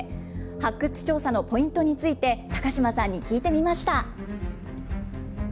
発掘調査のポイントについて、高島さんに聞いてみました。